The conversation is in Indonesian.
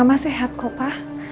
mama sehat kok pa